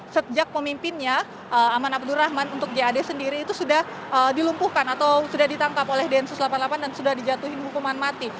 sejak pemimpinnya aman abdurrahman untuk jad sendiri itu sudah dilumpuhkan atau sudah ditangkap oleh densus delapan puluh delapan dan sudah dijatuhi hukuman mati